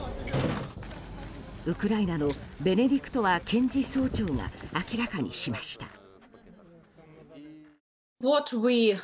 ウクライナのベネディクトワ検事総長が明らかにしました。